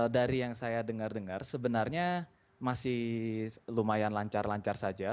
dari yang saya dengar dengar sebenarnya masih lumayan lancar lancar saja